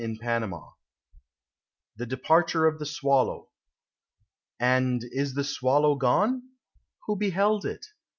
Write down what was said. CHABLES 8PEAGUB, THE DEPARTURE OF THE SWALLOW. And is the swallow gone? Who beheld it?